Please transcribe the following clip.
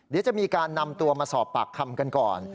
เดี๋ยวจะมีการนำตัวมาสอบปากคำกันก่อน